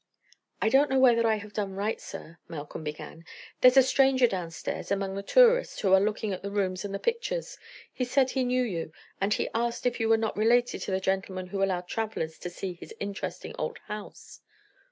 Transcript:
"I don't know whether I have done right, sir," Malcolm began. "There's a stranger downstairs among the tourists who are looking at the rooms and the pictures. He said he knew you. And he asked if you were not related to the gentleman who allowed travelers to see his interesting old house."